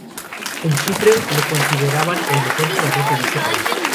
En Chipre le consideraban el mejor jugador de dicho país.